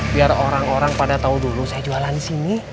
biar orang orang pada tahu dulu saya jualan di sini